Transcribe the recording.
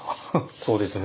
そうですね。